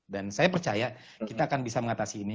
dan saya percaya kita akan bisa mengatasi ini